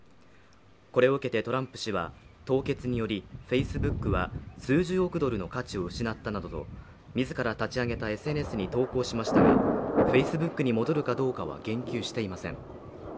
これを受けてトランプ氏は凍結によりＦａｃｅｂｏｏｋは数十億ドルの価値を失ったなどと自ら立ち上げたＳＮＳに投稿しましたがＦａｃｅｂｏｏｋに戻るかどうかは言及していません。